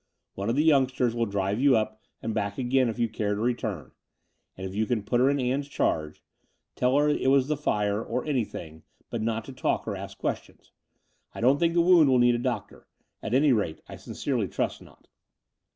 One of the youngsters will drive you up and back again, if you care to return : and you can put her in Ann's charge — tell her it was the fire, or any thing, but not to talk or ask questions. I don't think the wound will need a doctor. At any rate, I sincerely trust not."